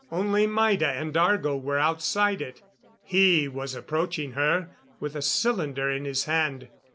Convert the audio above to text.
Only Maida and Argo were outside it. He was approaching her, with a cylinder in his hand.